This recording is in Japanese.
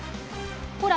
ほら！